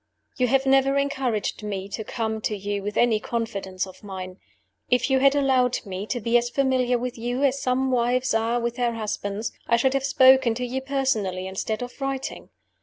"You have never encouraged me to come to you with any confidences of mine. If you had allowed me to be as familiar with you as some wives are with their husbands, I should have spoken to you personally instead of writing.